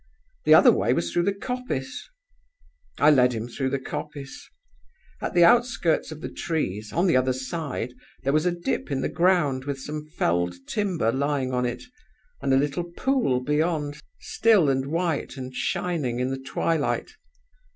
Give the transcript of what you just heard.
The other way was through the coppice. I led him through the coppice. "At the outskirts of the trees, on the other side, there was a dip in the ground with some felled timber lying on it, and a little pool beyond, still and white and shining in the twilight.